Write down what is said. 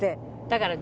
だから。